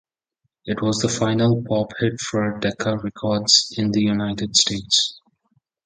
It was the final pop hit for Decca Records in the United States.